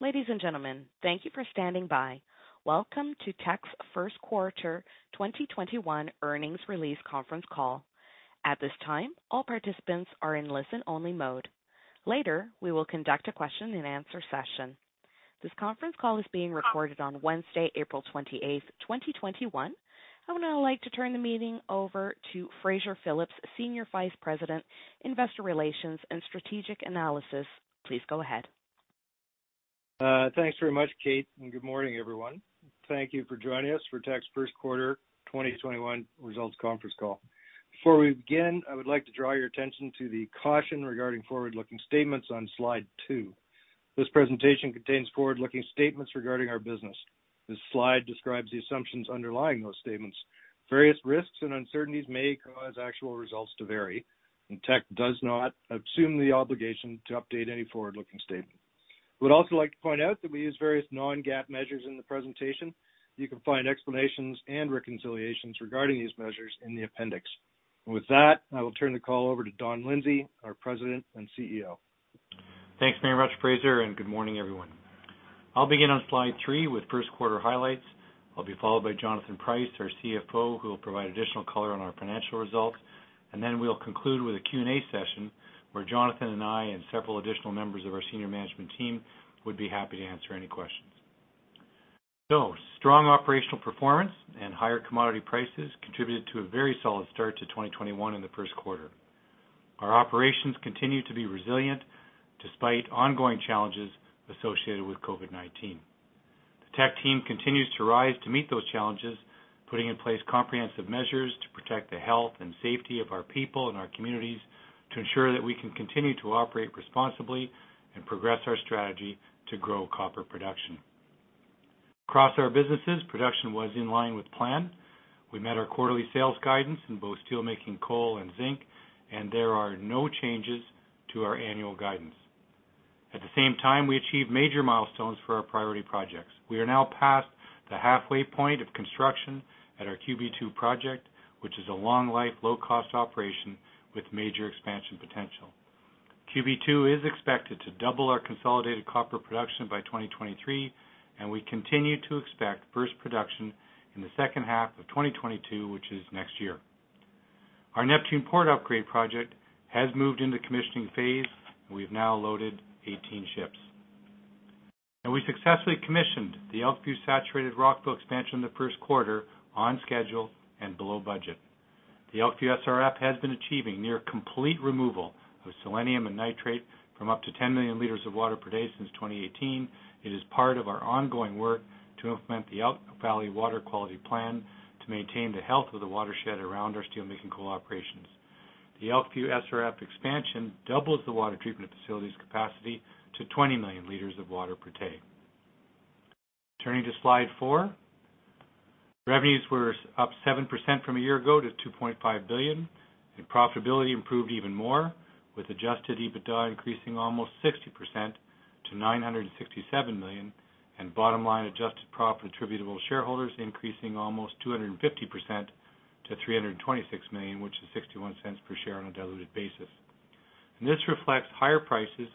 Ladies and gentlemen, thank you for standing by. Welcome to Teck's First Quarter 2021 Earnings Release Conference Call. At this time, all participants are in listen-only mode. Later, we will conduct a question and answer session. This conference call is being recorded on Wednesday, April 28, 2021. I would now like to turn the meeting over to Fraser Phillips, Senior Vice President, Investor Relations and Strategic Analysis. Please go ahead. Thanks very much, Kate, and good morning, everyone. Thank you for joining us for Teck's First Quarter 2021 Results Conference Call. Before we begin, I would like to draw your attention to the caution regarding forward-looking statements on slide two. This presentation contains forward-looking statements regarding our business. This slide describes the assumptions underlying those statements. Various risks and uncertainties may cause actual results to vary. Teck does not assume the obligation to update any forward-looking statement. I would also like to point out that we use various non-GAAP measures in the presentation. You can find explanations and reconciliations regarding these measures in the appendix. With that, I will turn the call over to Don Lindsay, our President and CEO. Thanks very much, Fraser. Good morning, everyone. I'll begin on slide three with first quarter highlights. I'll be followed by Jonathan Price, our CFO, who will provide additional color on our financial results, and then we'll conclude with a Q&A session where Jonathan and I and several additional members of our senior management team would be happy to answer any questions. Strong operational performance and higher commodity prices contributed to a very solid start to 2021 in the first quarter. Our operations continue to be resilient despite ongoing challenges associated with COVID-19. The Teck team continues to rise to meet those challenges, putting in place comprehensive measures to protect the health and safety of our people and our communities to ensure that we can continue to operate responsibly and progress our strategy to grow copper production. Across our businesses, production was in line with plan. We met our quarterly sales guidance in both Steelmaking Coal and Zinc. There are no changes to our annual guidance. At the same time, we achieved major milestones for our priority projects. We are now past the halfway point of construction at our QB2 project, which is a long life, low-cost operation with major expansion potential. QB2 is expected to double our consolidated copper production by 2023. We continue to expect first production in the second half of 2022, which is next year. Our Neptune Port Upgrade project has moved into commissioning phase. We've now loaded 18 ships. We successfully commissioned the Elkview Saturated Rock Fill expansion in the first quarter on schedule and below budget. The Elkview SRF has been achieving near complete removal of selenium and nitrate from up to 10 million liters of water per day since 2018. It is part of our ongoing work to implement the Elk Valley Water Quality Plan to maintain the health of the watershed around our Steelmaking Coal operations. The Elkview SRF expansion doubles the water treatment facility's capacity to 20 million liters of water per day. Turning to slide four, revenues were up 7% from a year ago to 2.5 billion, and profitability improved even more, with adjusted EBITDA increasing almost 60% to 967 million, and bottom line adjusted profit attributable to shareholders increasing almost 250% to 326 million, which is 0.61 per share on a diluted basis. This reflects higher prices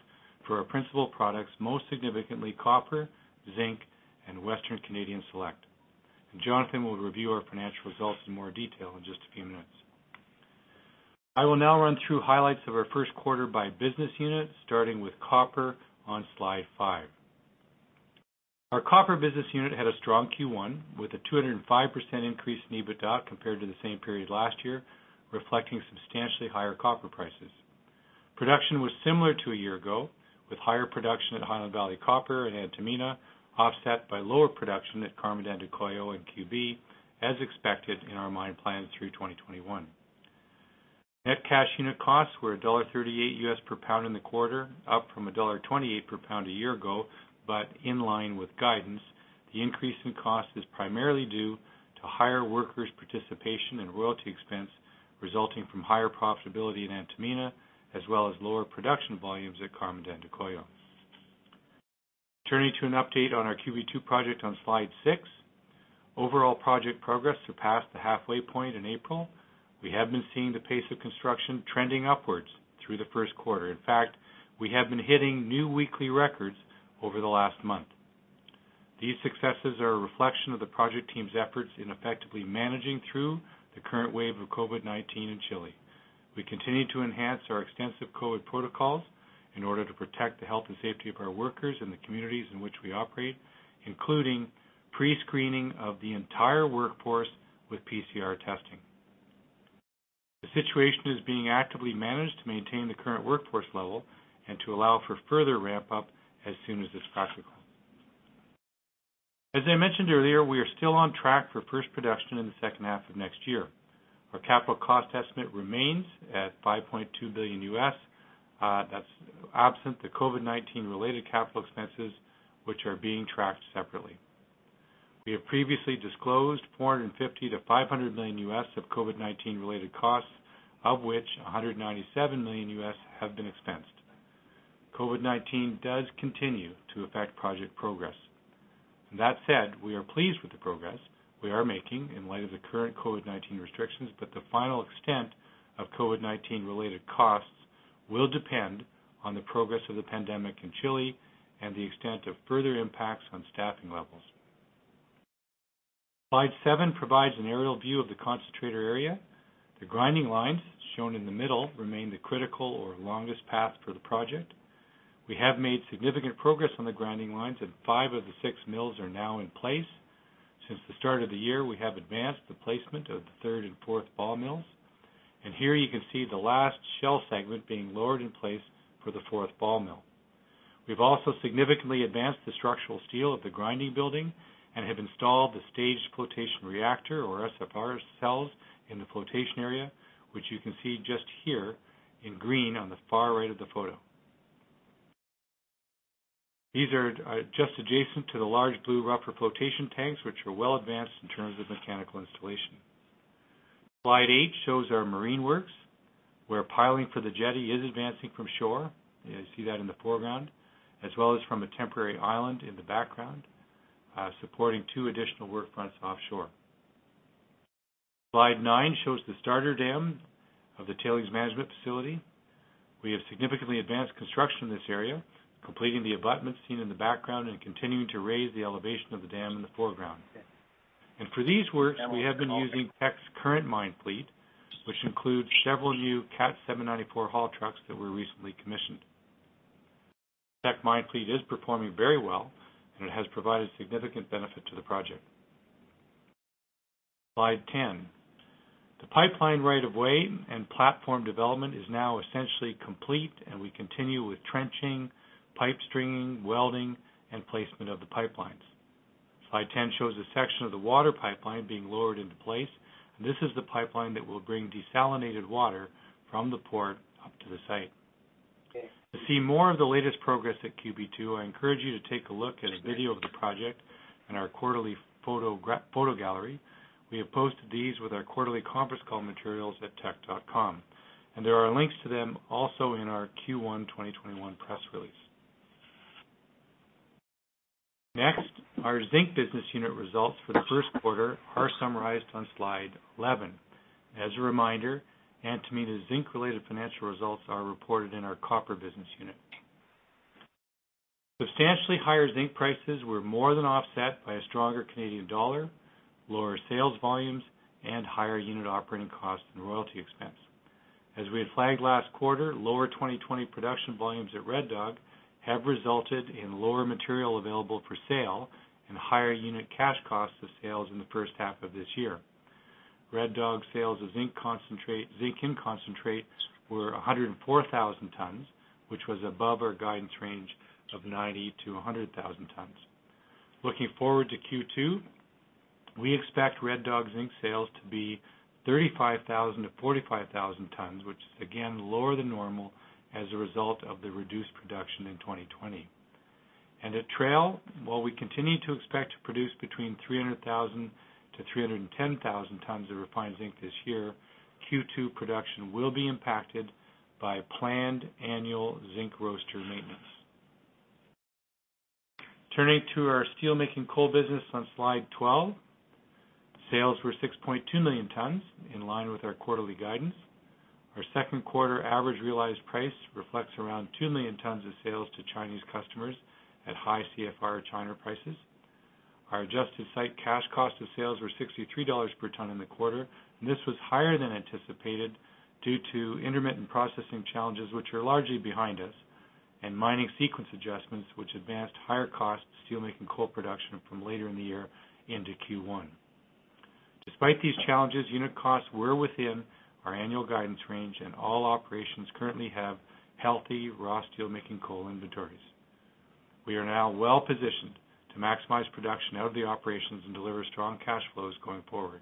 for our principal products, most significantly copper, zinc, and Western Canadian Select. Jonathan will review our financial results in more detail in just a few minutes. I will now run through highlights of our first quarter by business unit, starting with Copper on slide five. Our Copper Business Unit had a strong Q1 with a 205% increase in EBITDA compared to the same period last year, reflecting substantially higher copper prices. Production was similar to a year ago, with higher production at Highland Valley Copper and Antamina, offset by lower production at Carmen de Andacollo and QB, as expected in our mine plan through 2021. Net cash unit costs were dollar 1.38 per pound in the quarter, up from dollar 1.28 per pound a year ago, in line with guidance. The increase in cost is primarily due to higher workers' participation and royalty expense resulting from higher profitability in Antamina, as well as lower production volumes at Carmen de Andacollo. Turning to an update on our QB2 project on slide six. Overall project progress surpassed the halfway point in April. We have been seeing the pace of construction trending upwards through the first quarter. In fact, we have been hitting new weekly records over the last month. These successes are a reflection of the project team's efforts in effectively managing through the current wave of COVID-19 in Chile. We continue to enhance our extensive COVID protocols in order to protect the health and safety of our workers and the communities in which we operate, including pre-screening of the entire workforce with PCR testing. The situation is being actively managed to maintain the current workforce level and to allow for further ramp up as soon as is practical. As I mentioned earlier, we are still on track for first production in the second half of next year. Our capital cost estimate remains at $5.2 billion. That's absent the COVID-19 related capital expenses, which are being tracked separately. We have previously disclosed $450 million-$500 million of COVID-19 related costs, of which $197 million have been expensed. COVID-19 does continue to affect project progress. That said, we are pleased with the progress we are making in light of the current COVID-19 restrictions, the final extent of COVID-19 related costs will depend on the progress of the pandemic in Chile and the extent of further impacts on staffing levels. Slide seven provides an aerial view of the concentrator area. The grinding lines, shown in the middle, remain the critical or longest path for the project. We have made significant progress on the grinding lines, five of the six mills are now in place. Since the start of the year, we have advanced the placement of the third and fourth ball mills. Here you can see the last shell segment being lowered in place for the fourth ball mill. We've also significantly advanced the structural steel of the grinding building and have installed the staged flotation reactor, or SFR cells, in the flotation area, which you can see just here in green on the far right of the photo. These are just adjacent to the large blue rougher flotation tanks, which are well advanced in terms of mechanical installation. Slide eight shows our marine works, where piling for the jetty is advancing from shore, you see that in the foreground, as well as from a temporary island in the background, supporting two additional work fronts offshore. Slide nine shows the starter dam of the tailings management facility. We have significantly advanced construction in this area, completing the abutments seen in the background and continuing to raise the elevation of the dam in the foreground. For these works, we have been using Teck's current mine fleet, which includes several new Cat 794 haul trucks that were recently commissioned. Teck mine fleet is performing very well, and it has provided significant benefit to the project. Slide 10. The pipeline right of way and platform development is now essentially complete, and we continue with trenching, pipe stringing, welding, and placement of the pipelines. Slide 10 shows a section of the water pipeline being lowered into place. This is the pipeline that will bring desalinated water from the port up to the site. To see more of the latest progress at QB2, I encourage you to take a look at a video of the project and our quarterly photo gallery. We have posted these with our quarterly conference call materials at teck.com, and there are links to them also in our Q1 2021 press release. Next, our Zinc Business Unit results for the first quarter are summarized on slide 11. As a reminder, Antamina zinc-related financial results are reported in our Copper Business Unit. Substantially higher zinc prices were more than offset by a stronger Canadian dollar, lower sales volumes, and higher unit operating costs and royalty expense. As we had flagged last quarter, lower 2020 production volumes at Red Dog have resulted in lower material available for sale and higher unit cash costs of sales in the first half of this year. Red Dog sales of zinc in concentrates were 104,000 tons, which was above our guidance range of 90,000 tons-100,000 tons. Looking forward to Q2, we expect Red Dog zinc sales to be 35,000-45,000 tons, which is again, lower than normal as a result of the reduced production in 2020. At Trail, while we continue to expect to produce between 300,000-310,000 tons of refined zinc this year, Q2 production will be impacted by a planned annual zinc roaster maintenance. Turning to our Steelmaking Coal business on slide 12. Sales were 6.2 million tons, in line with our quarterly guidance. Our second quarter average realized price reflects around 2 million tons of sales to Chinese customers at high CFR China prices. Our adjusted site cash cost of sales were 63 dollars per ton in the quarter. This was higher than anticipated due to intermittent processing challenges, which are largely behind us, and mining sequence adjustments, which advanced higher cost steelmaking coal production from later in the year into Q1. Despite these challenges, unit costs were within our annual guidance range, and all operations currently have healthy raw steelmaking coal inventories. We are now well-positioned to maximize production out of the operations and deliver strong cash flows going forward.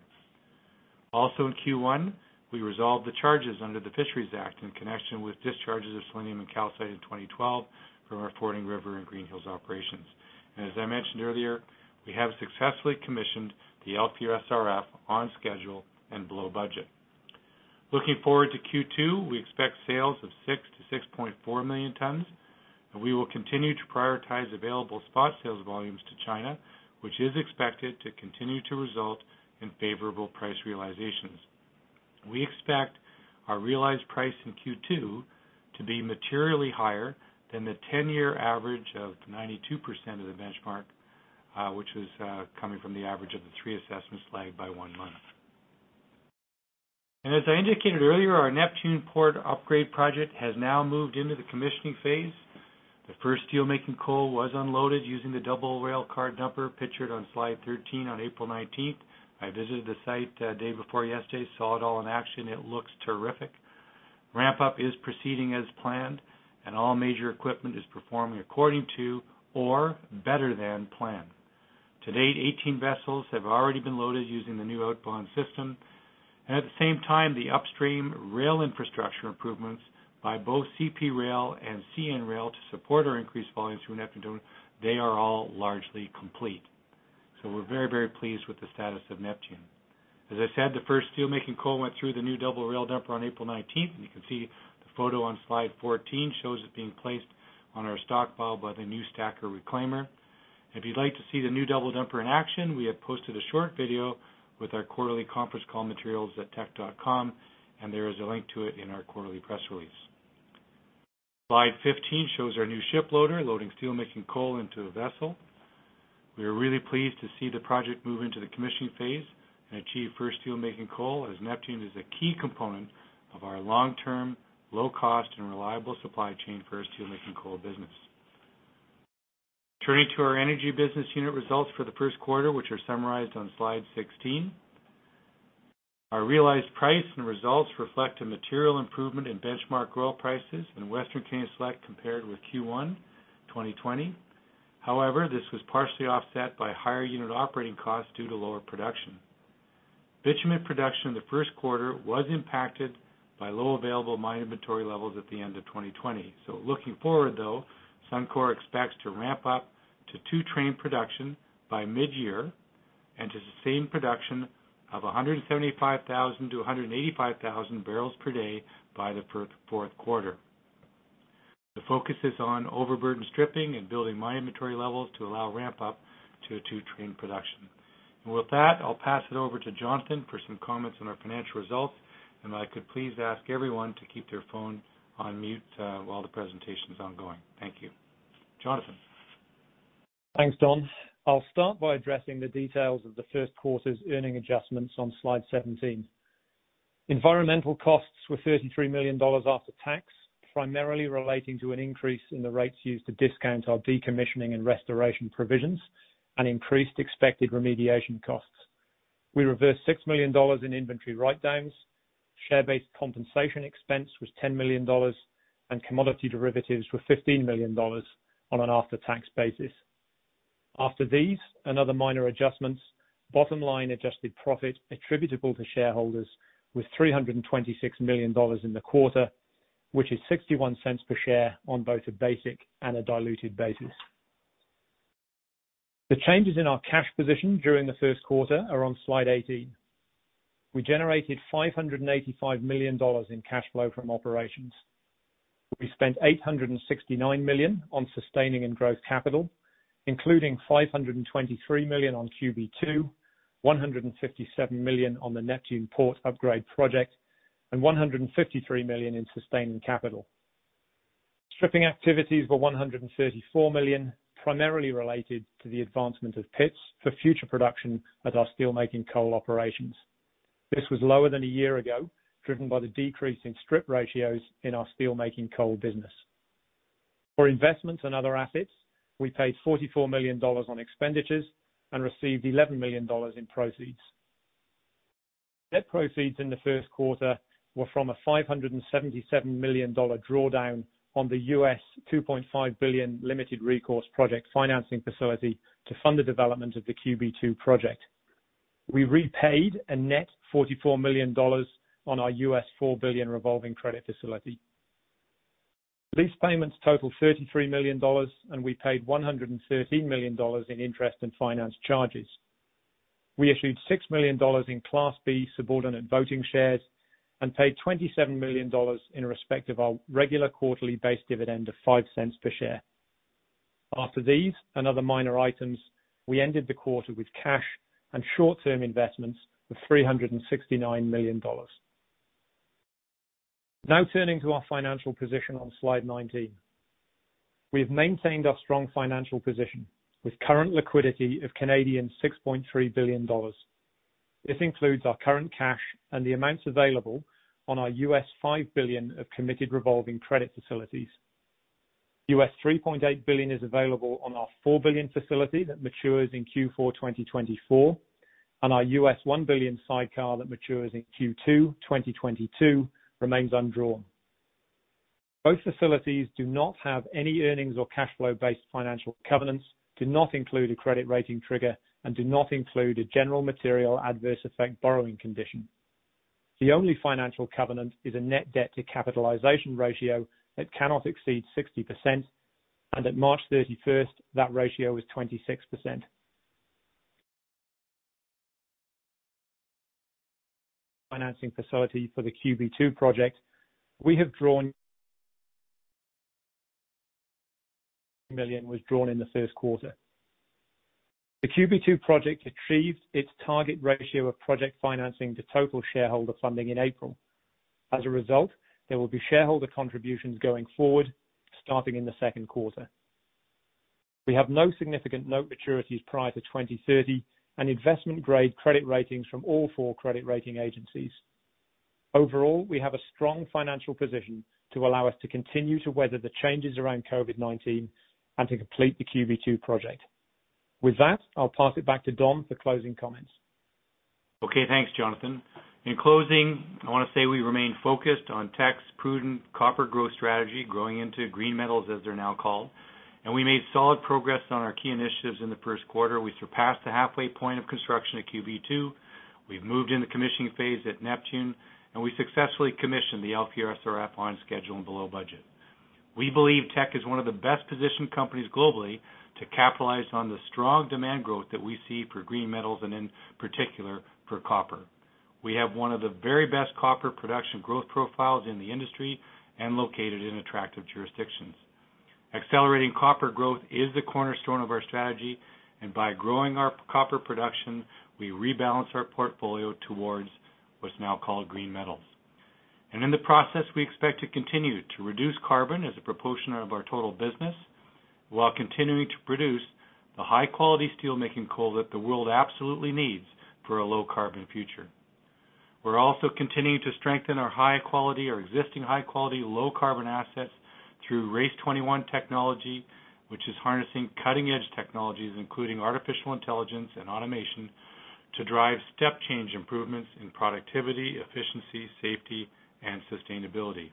Also in Q1, we resolved the charges under the Fisheries Act in connection with discharges of selenium and calcite in 2012 from our Fording River and Greenhills operations. As I mentioned earlier, we have successfully commissioned the Elkview SRF on schedule and below budget. Looking forward to Q2, we expect sales of 6 million to 6.4 million tons. We will continue to prioritize available spot sales volumes to China, which is expected to continue to result in favorable price realizations. We expect our realized price in Q2 to be materially higher than the 10-year average of 92% of the benchmark, which was coming from the average of the three assessments lagged by one month. As I indicated earlier, our Neptune Port Upgrade project has now moved into the commissioning phase. The first steelmaking coal was unloaded using the double rail car dumper pictured on slide 13 on April 19th. I visited the site day before yesterday, saw it all in action. It looks terrific. Ramp up is proceeding as planned. All major equipment is performing according to or better than planned. To date, 18 vessels have already been loaded using the new outbound system. At the same time, the upstream rail infrastructure improvements by both CP Rail and CN Rail to support our increased volumes through Neptune, they are all largely complete. We are very, very pleased with the status of Neptune. As I said, the first steelmaking coal went through the new double rail dumper on April 19th, and you can see the photo on slide 14 shows it being placed on our stockpile by the new stacker reclaimer. If you would like to see the new double dumper in action, we have posted a short video with our quarterly conference call materials at teck.com, and there is a link to it in our quarterly press release. Slide 15 shows our new ship loader loading steelmaking coal into a vessel. We are really pleased to see the project move into the commissioning phase and achieve first steelmaking coal, as Neptune is a key component of our long-term, low cost, and reliable supply chain for our Steelmaking Coal business. Turning to our energy business unit results for the first quarter, which are summarized on slide 16. Our realized price and results reflect a material improvement in benchmark oil prices and Western Canadian Select compared with Q1 2020. However, this was partially offset by higher unit operating costs due to lower production. Bitumen production in the first quarter was impacted by low available mine inventory levels at the end of 2020. Looking forward, though, Suncor expects to ramp up to two train production by mid-year and to sustain production of 175,000-185,000 barrels per day by the fourth quarter. The focus is on overburden stripping and building mine inventory levels to allow ramp up to a two-train production. With that, I'll pass it over to Jonathan for some comments on our financial results, and if I could please ask everyone to keep their phone on mute while the presentation's ongoing. Thank you. Jonathan? Thanks, Don. I'll start by addressing the details of the first quarter earnings adjustments on slide 17. Environmental costs were 33 million dollars after tax, primarily relating to an increase in the rates used to discount our decommissioning and restoration provisions and increased expected remediation costs. We reversed 6 million dollars in inventory write-downs. Share-based compensation expense was 10 million dollars. Commodity derivatives were 15 million dollars on an after-tax basis. After these and other minor adjustments, bottom-line adjusted profit attributable to shareholders was 326 million dollars in the quarter, which is 0.61 per share on both a basic and a diluted basis. The changes in our cash position during the first quarter are on slide 18. We generated 585 million dollars in cash flow from operations. We spent 869 million on sustaining and growth capital, including 523 million on QB2, 157 million on the Neptune Port Upgrade project and 153 million in sustaining capital. Stripping activities were 134 million, primarily related to the advancement of pits for future production at our steelmaking coal operations. This was lower than a year ago, driven by the decrease in strip ratios in our Steelmaking Coal business. For investments in other assets, we paid 44 million dollars on expenditures and received 11 million dollars in proceeds. Net proceeds in the first quarter were from a 577 million dollar drawdown on the $2.5 billion limited recourse project financing facility to fund the development of the QB2 project. We repaid a net 44 million dollars on our $4 billion revolving credit facility. Lease payments totaled 33 million dollars, and we paid 113 million dollars in interest and finance charges. We issued 6 million dollars in Class B subordinate voting shares and paid 27 million dollars in respect of our regular quarterly base dividend of 0.05 per share. After these and other minor items, we ended the quarter with cash and short-term investments of 369 million dollars. Turning to our financial position on slide 19. We have maintained our strong financial position with current liquidity of 6.3 billion Canadian dollars. This includes our current cash and the amounts available on our $5 billion of committed revolving credit facilities. $3.8 billion is available on our $4 billion facility that matures in Q4 2024, our $1 billion sidecar that matures in Q2 2022 remains undrawn. Both facilities do not have any earnings or cash flow-based financial covenants, do not include a credit rating trigger, and do not include a general material adverse effect borrowing condition. The only financial covenant is a net debt to capitalization ratio that cannot exceed 60%, and at March 31st, that ratio was 26%. Financing facility for the QB2 project was drawn in the first quarter. The QB2 project achieved its target ratio of project financing to total shareholder funding in April. As a result, there will be shareholder contributions going forward, starting in the second quarter. We have no significant note maturities prior to 2030 and investment-grade credit ratings from all four credit rating agencies. Overall, we have a strong financial position to allow us to continue to weather the changes around COVID-19 and to complete the QB2 project. With that, I'll pass it back to Don for closing comments. Okay, thanks, Jonathan. In closing, I want to say we remain focused on Teck's prudent copper growth strategy, growing into green metals as they're now called. We made solid progress on our key initiatives in the first quarter. We surpassed the halfway point of construction at QB2, we've moved into commissioning phase at Neptune, and we successfully commissioned the Elkview SRF on schedule and below budget. We believe Teck is one of the best positioned companies globally to capitalize on the strong demand growth that we see for green metals and in particular for copper. We have one of the very best copper production growth profiles in the industry and located in attractive jurisdictions. Accelerating copper growth is the cornerstone of our strategy, and by growing our copper production, we rebalance our portfolio towards what's now called green metals. In the process, we expect to continue to reduce carbon as a proportion of our total business while continuing to produce the high-quality steelmaking coal that the world absolutely needs for a low-carbon future. We're also continuing to strengthen our existing high-quality, low-carbon assets through RACE21 technology, which is harnessing cutting-edge technologies, including artificial intelligence and automation, to drive step change improvements in productivity, efficiency, safety, and sustainability.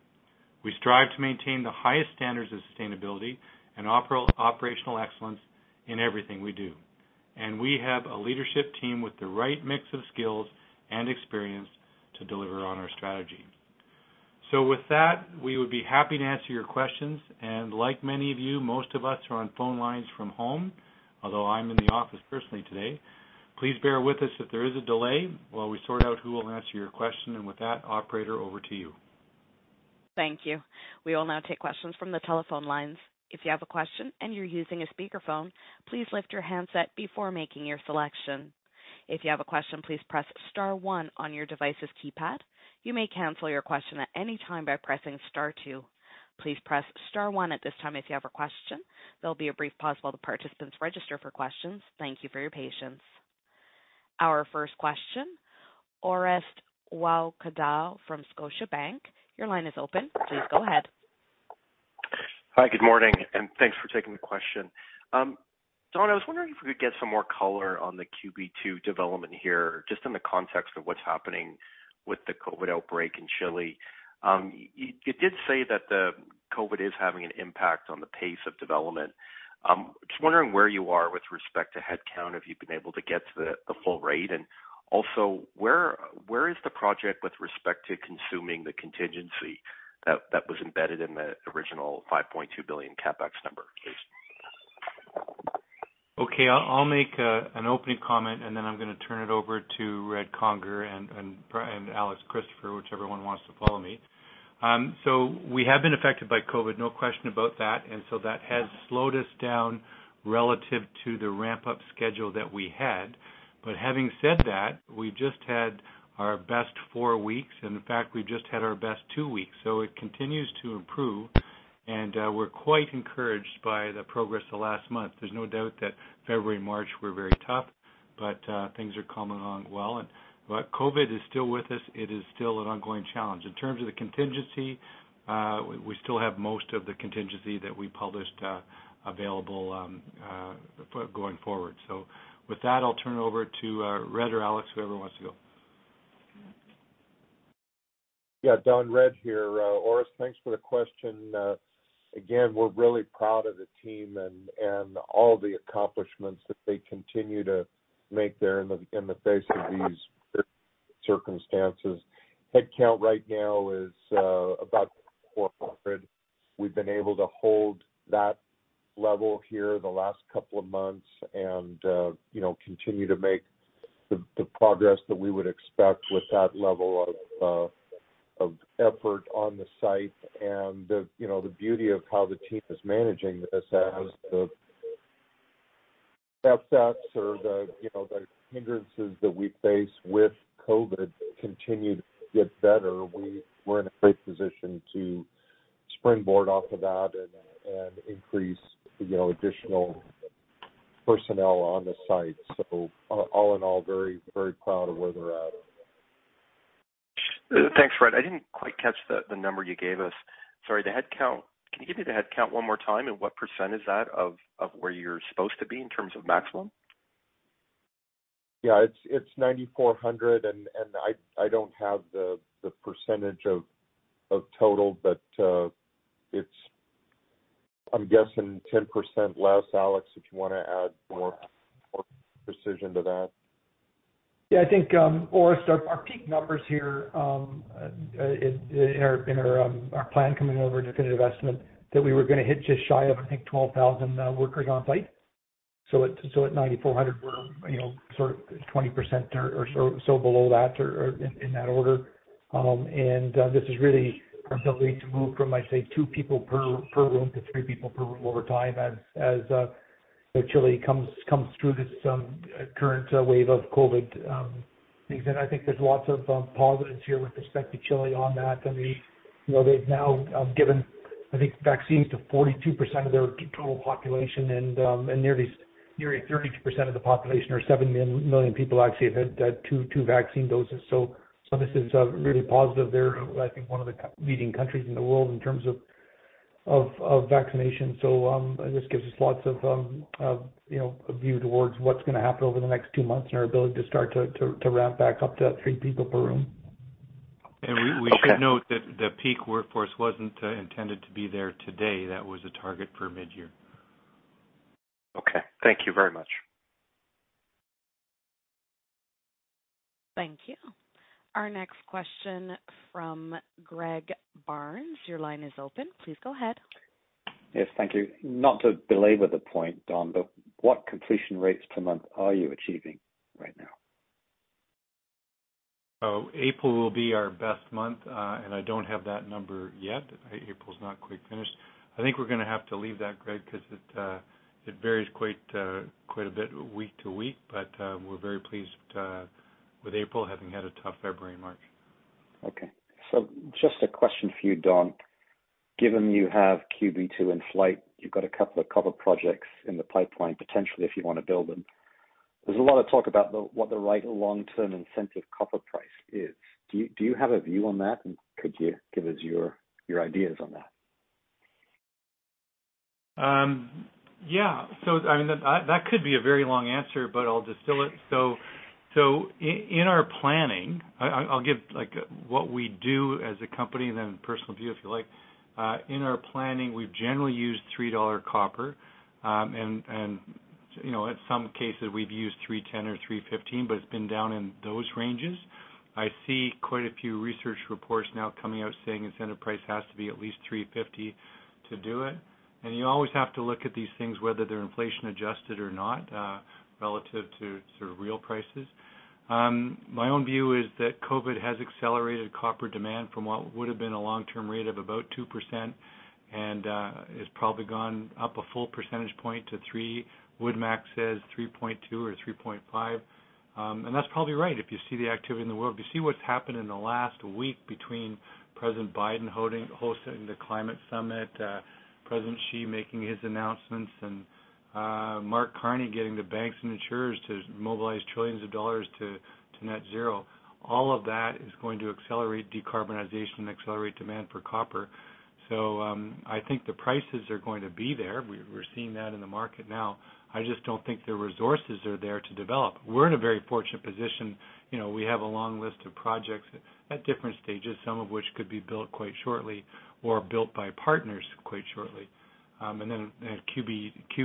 We strive to maintain the highest standards of sustainability and operational excellence in everything we do. We have a leadership team with the right mix of skills and experience to deliver on our strategy. With that, we would be happy to answer your questions, and like many of you, most of us are on phone lines from home, although I'm in the office personally today. Please bear with us if there is a delay while we sort out who will answer your question. With that operator, over to you. Thank you. We will now take questions from the telephone lines. If you have a question and you're using a speakerphone, please lift your handset before making your selection. If you have a question, please press star one on your device's keypad. You may cancel your question at any time by pressing star two. Please press star one at this time if you have a question. There will be a brief pause while the participants register for questions. Thank you for your patience. Our first question, Orest Wowkodaw from Scotiabank. Your line is open. Please go ahead. Hi, good morning, and thanks for taking the question. Don, I was wondering if we could get some more color on the QB2 development here, just in the context of what's happening with the COVID outbreak in Chile. You did say that the COVID is having an impact on the pace of development. Just wondering where you are with respect to headcount. Have you been able to get to the full rate? Also, where is the project with respect to consuming the contingency that was embedded in the original $5.2 billion CapEx number, please? Okay. I'll make an opening comment and then I'm going to turn it over to Red Conger and Alex Christopher, whichever one wants to follow me. That has slowed us down relative to the ramp-up schedule that we had. Having said that, we just had our best four weeks, and in fact, we just had our best two weeks. It continues to improve, and we're quite encouraged by the progress the last month. There's no doubt that February and March were very tough, but things are coming along well. COVID is still with us. It is still an ongoing challenge. In terms of the contingency, we still have most of the contingency that we published available going forward. With that, I'll turn it over to Red or Alex, whoever wants to go. Yeah, Don, Red here. Orest, thanks for the question. We're really proud of the team and all the accomplishments that they continue to make there in the face of these circumstances. Headcount right now is about 9,400. We've been able to hold that level here the last couple of months and continue to make the progress that we would expect with that level of effort on the site and the beauty of how the team is managing this as the upsets or the hindrances that we face with COVID continue to get better. We're in a great position to springboard off of that and increase additional personnel on the site. All in all, very proud of where we're at. Thanks, Red. I didn't quite catch the number you gave us. Sorry, the headcount. Can you give me the headcount one more time and what percent is that of where you're supposed to be in terms of maximum? Yeah, it's 9,400 and I don't have the percentage of total, but it's, I'm guessing 10% less. Alex, if you want to add more precision to that. Yeah, I think, Orest, our peak numbers here in our plan coming over definitive estimate that we were going to hit just shy of, I think, 12,000 workers on site. At 9,400, we're sort of 20% or so below that or in that order. This is really our ability to move from, I'd say, two people per room to three people per room over time as Chile comes through this current wave of COVID things. I think there's lots of positives here with respect to Chile on that. They've now given, I think, vaccines to 42% of their total population and nearly 32% of the population or 7 million people actually have had two vaccine doses. This is really positive there. I think it is one of the leading countries in the world in terms of vaccinations. This gives us lots of a view towards what's going to happen over the next two months and our ability to start to ramp back up to three people per room. Okay. We should note that the peak workforce wasn't intended to be there today. That was a target for mid-year. Okay. Thank you very much. Thank you. Our next question from Greg Barnes. Your line is open. Please go ahead. Yes. Thank you. Not to belabor the point, Don, but what completion rates per month are you achieving right now? April will be our best month, and I don't have that number yet. April's not quite finished. I think we're going to have to leave that, Greg, because it varies quite a bit week to week. We're very pleased with April having had a tough February and March. Okay. Just a question for you, Don, given you have QB2 in flight, you've got a couple of copper projects in the pipeline, potentially, if you want to build them. There's a lot of talk about what the right long-term incentive copper price is. Do you have a view on that, and could you give us your ideas on that? Yeah. That could be a very long answer, but I'll distill it. In our planning, I'll give what we do as a company and then personal view, if you like. In our planning, we've generally used 3 dollar copper. In some cases, we've used 3.10 or 3.15, but it's been down in those ranges. I see quite a few research reports now coming out saying incentive price has to be at least 3.50 to do it. You always have to look at these things, whether they're inflation adjusted or not, relative to sort of real prices. My own view is that COVID has accelerated copper demand from what would've been a long-term rate of about 2%, and it's probably gone up a full percentage point to 3%. Would max at 3.2% or 3.5%. That's probably right if you see the activity in the world. You see what's happened in the last week between President Biden hosting the climate summit, President Xi making his announcements, and Mark Carney getting the banks and insurers to mobilize trillions of dollars to net zero, all of that is going to accelerate decarbonization and accelerate demand for copper. I think the prices are going to be there. We're seeing that in the market now. I just don't think the resources are there to develop. We're in a very fortunate position. We have a long list of projects at different stages, some of which could be built quite shortly or built by partners quite shortly. QB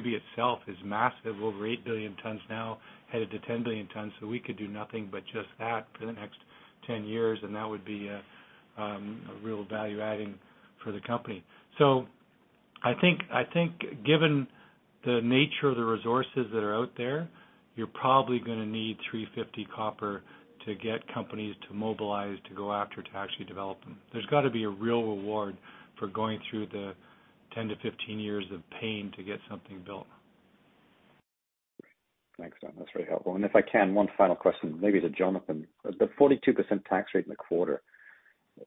itself is massive, over 8 billion tonnes now, headed to 10 billion tonnes. We could do nothing but just that for the next 10 years, and that would be a real value-adding for the company. I think given the nature of the resources that are out there, you're probably going to need 3.50 copper to get companies to mobilize, to go after, to actually develop them. There's got to be a real reward for going through the 10-15 years of pain to get something built. Great. Thanks, Don. That's very helpful. If I can, one final question, maybe to Jonathan. The 42% tax rate in the quarter,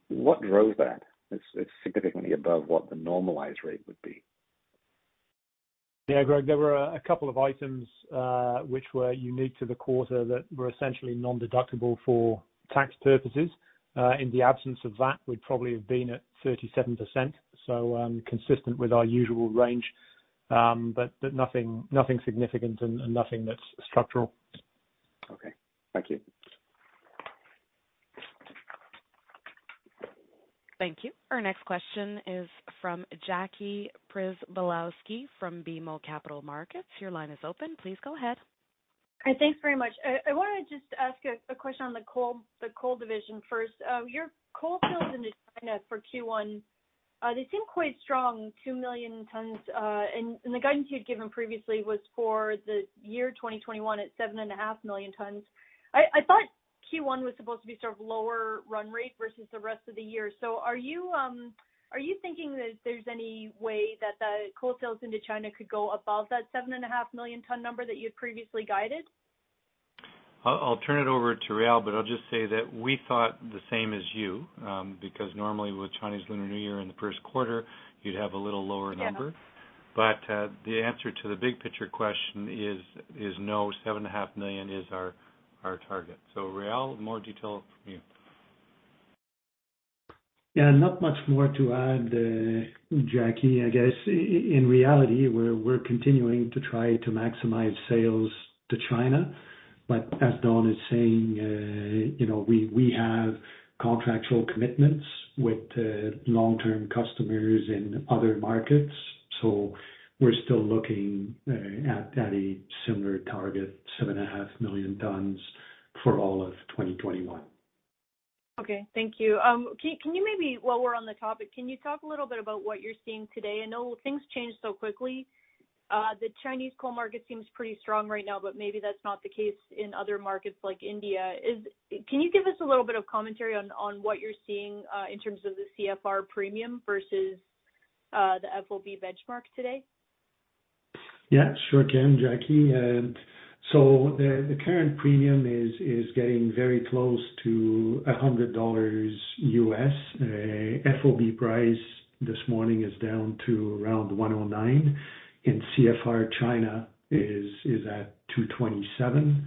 what drove that? It's significantly above what the normalized rate would be. Yeah, Greg, there were a couple of items, which were unique to the quarter that were essentially non-deductible for tax purposes. In the absence of that, we'd probably have been at 37%, so consistent with our usual range. Nothing significant and nothing that's structural. Okay. Thank you. Thank you. Our next question is from Jackie Przybylowski from BMO Capital Markets. Your line is open. Please go ahead. Hi. Thanks very much. I wanted to just ask a question on the Coal division first. Your Coal sales into China for Q1, they seem quite strong, 2 million tonnes. The guidance you'd given previously was for the year 2021 at 7.5 million tonnes. I thought Q1 was supposed to be sort of lower run rate versus the rest of the year. Are you thinking that there's any way that the coal sales into China could go above that 7.5 million tonne number that you had previously guided? I'll turn it over to Réal, but I'll just say that we thought the same as you, because normally with Chinese Lunar New Year in the first quarter, you'd have a little lower number. Yeah. The answer to the big picture question is no, 7.5 million is our target. Réal, more detail from you. Yeah, not much more to add, Jackie. As Don is saying, we have contractual commitments with long-term customers in other markets. We're still looking at a similar target, 7.5 million tons for all of 2021. Okay. Thank you. Can you maybe, while we're on the topic, can you talk a little bit about what you're seeing today? I know things change so quickly. The Chinese coal market seems pretty strong right now, but maybe that's not the case in other markets like India. Can you give us a little bit of commentary on what you're seeing, in terms of the CFR premium versus the FOB benchmark today? Yeah, sure can, Jackie. The current premium is getting very close to $100 FOB price this morning is down to around $109. CFR China is at $227.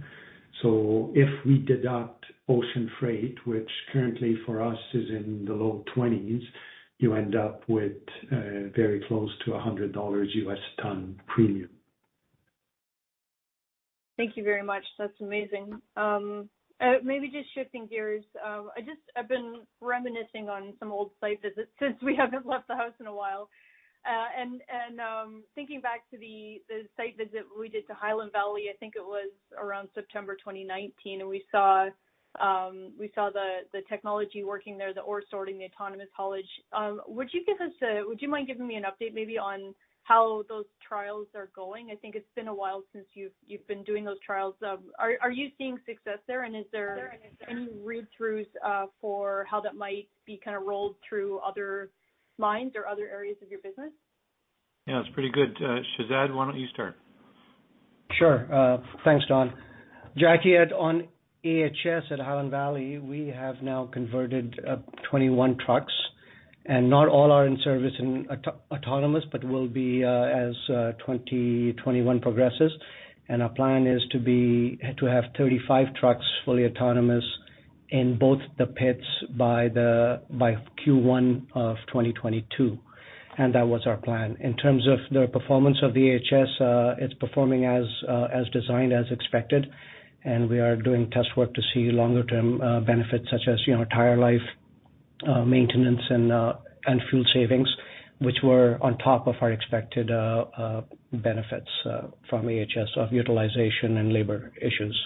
If we deduct ocean freight, which currently for us is in the low twenties, you end up with very close to $100 ton premium. Thank you very much. That's amazing. Maybe just shifting gears. I've been reminiscing on some old site visits since we haven't left the house in a while. Thinking back to the site visit we did to Highland Valley, I think it was around September 2019, and we saw the technology working there, the ore sorting, the autonomous haulage. Would you mind giving me an update maybe on how those trials are going? I think it's been a while since you've been doing those trials. Are you seeing success there, and is there any read-throughs for how that might be kind of rolled through other mines or other areas of your business? Yeah, it's pretty good. Shehzad, why don't you start? Sure. Thanks, Don. Jackie, on AHS at Highland Valley, we have now converted 21 trucks, not all are in service and autonomous, but will be as 2021 progresses. Our plan is to have 35 trucks fully autonomous in both the pits by Q1 of 2022. That was our plan. In terms of the performance of the AHS, it's performing as designed, as expected, and we are doing test work to see longer term benefits such as tire life, maintenance, and fuel savings, which were on top of our expected benefits from AHS of utilization and labor issues.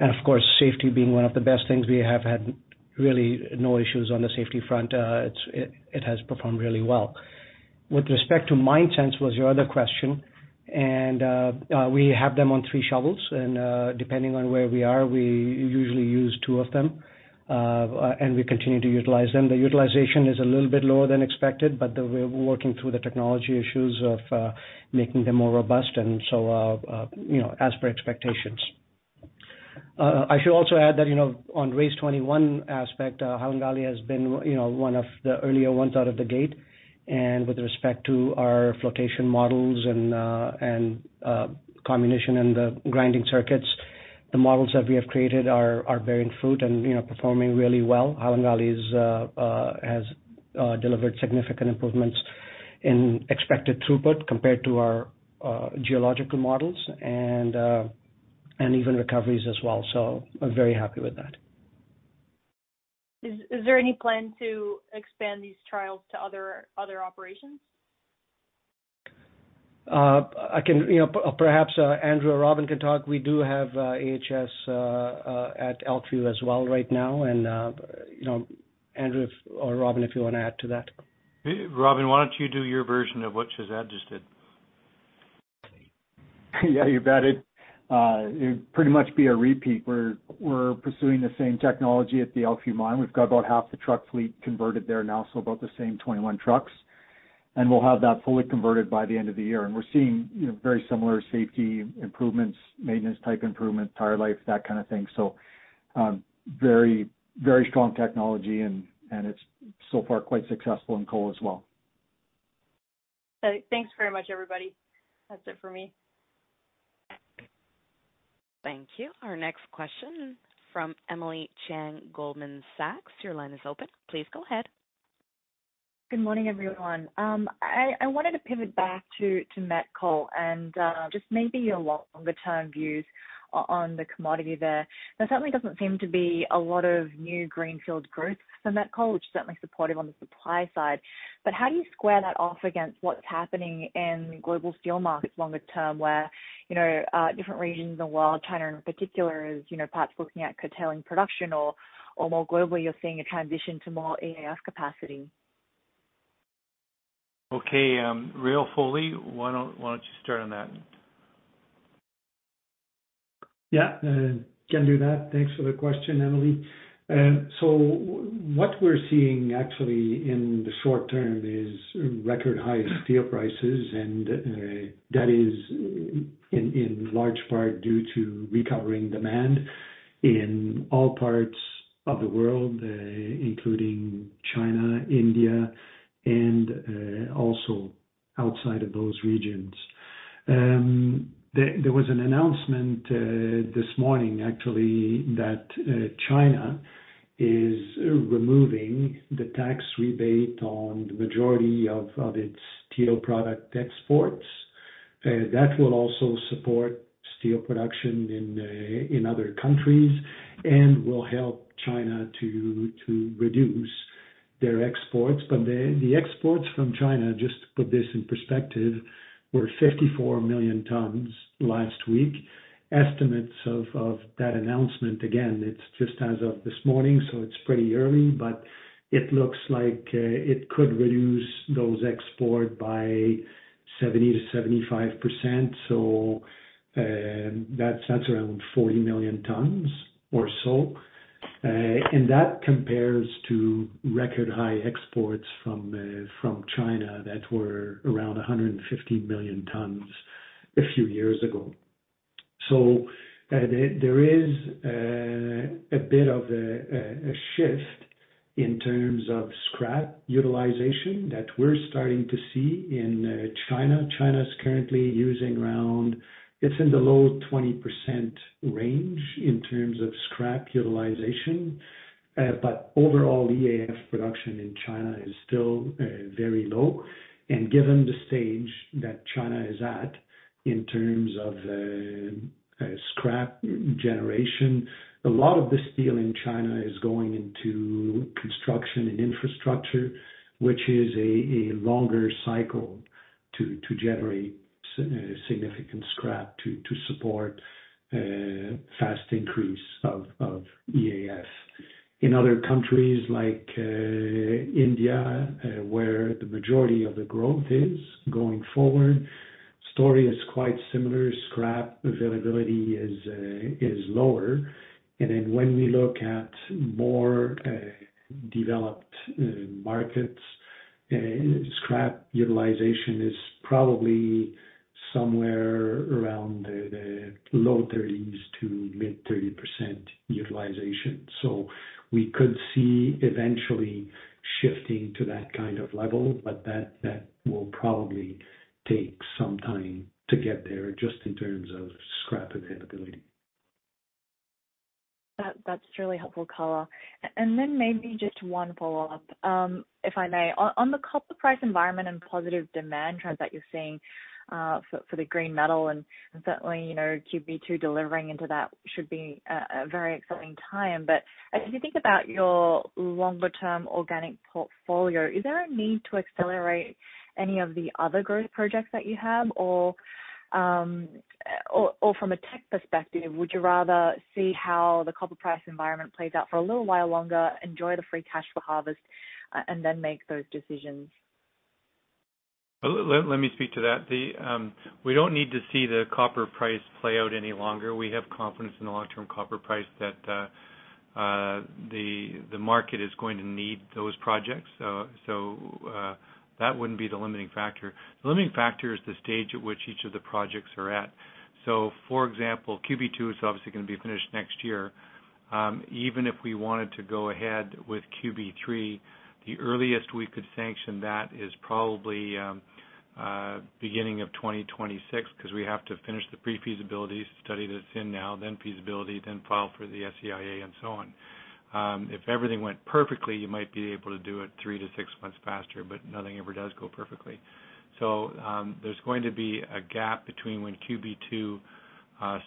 Of course, safety being one of the best things, we have had really no issues on the safety front. It has performed really well. With respect to MineSense was your other question, and we have them on three shovels and, depending on where we are, we usually use two of them. We continue to utilize them. The utilization is a little bit lower than expected, but we're working through the technology issues of making them more robust and so as per expectations. I should also add that, on RACE21 aspect, Highland Valley has been one of the earlier ones out of the gate. With respect to our flotation models and comminution and the grinding circuits, the models that we have created are bearing fruit and performing really well. Highland Valley has delivered significant improvements in expected throughput compared to our geological models and even recoveries as well, so I'm very happy with that. Is there any plan to expand these trials to other operations? Perhaps Andrew or Robin can talk. We do have AHS at Elkview as well right now and Andrew or Robin, if you want to add to that. Robin, why don't you do your version of what Shehzad just did? Yeah, you bet it. It'd pretty much be a repeat. We're pursuing the same technology at the Elkview Mine. We've got about half the truck fleet converted there now, so about the same 21 trucks. We'll have that fully converted by the end of the year. We're seeing very similar safety improvements, maintenance type improvements, tire life, that kind of thing. Very strong technology and it's so far quite successful in coal as well. Thanks very much, everybody. That's it for me. Thank you. Our next question from Emily Chieng, Goldman Sachs, your line is open. Please go ahead. Good morning, everyone. I wanted to pivot back to met coal and just maybe your longer term views on the commodity there. There certainly doesn't seem to be a lot of new greenfield growth for met coal, which certainly is supportive on the supply side. How do you square that off against what's happening in global steel markets longer term, where different regions of the world, China in particular, is perhaps looking at curtailing production or more globally, you're seeing a transition to more EAF capacity? Okay. Réal Foley, why don't you start on that? Yeah, can do that. Thanks for the question, Emily. What we're seeing actually in the short term is record high steel prices, and that is in large part due to recovering demand in all parts of the world, including China, India, and also outside of those regions. There was an announcement this morning, actually, that China is removing the tax rebate on the majority of its steel product exports. That will also support steel production in other countries and will help China to reduce their exports. The exports from China, just to put this in perspective, were 54 million tons last week. Estimates of that announcement, again, it's just as of this morning, it's pretty early, it looks like it could reduce those export by 70%-75%. That's around 40 million tons or so. That compares to record high exports from China that were around 150 million tons a few years ago. There is a bit of a shift in terms of scrap utilization that we're starting to see in China. China's currently using around, it's in the low 20% range in terms of scrap utilization. Overall, EAF production in China is still very low, and given the stage that China is at in terms of scrap generation, a lot of the steel in China is going into construction and infrastructure, which is a longer cycle to generate significant scrap to support fast increase of EAF. In other countries like India, where the majority of the growth is going forward, story is quite similar. Scrap availability is lower, and then when we look at more developed markets, scrap utilization is probably somewhere around the low 30% to mid 30% utilization. We could see eventually shifting to that kind of level, but that will probably take some time to get there, just in terms of scrap availability. That's really helpful color. Then maybe just one follow-up, if I may. On the copper price environment and positive demand trends that you're seeing for the green metal, and certainly QB2 delivering into that should be a very exciting time. As you think about your longer-term organic portfolio, is there a need to accelerate any of the other growth projects that you have? From a Teck perspective, would you rather see how the copper price environment plays out for a little while longer, enjoy the free cash flow harvest, and then make those decisions? Let me speak to that. We don't need to see the copper price play out any longer. We have confidence in the long-term copper price that the market is going to need those projects. That wouldn't be the limiting factor. The limiting factor is the stage at which each of the projects are at. For example, QB2 is obviously going to be finished next year. Even if we wanted to go ahead with QB3, the earliest we could sanction that is probably beginning of 2026, because we have to finish the pre-feasibility study that's in now, then feasibility, then file for the SEIA and so on. If everything went perfectly, you might be able to do it three to six months faster, but nothing ever does go perfectly. There's going to be a gap between when QB2